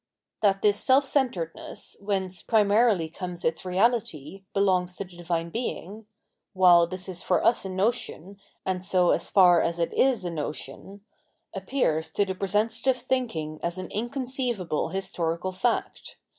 That this self centredness, whence primarily comes its reality, belongs to the Divine Being — while this is for MS a notion, and so as far as it is a notion, — appears to presentative thinking as an inconceivable historical fact.